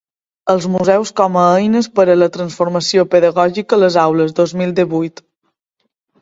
Els museus com a eines per a la transformació pedagògica a les aules, dos mil divuit.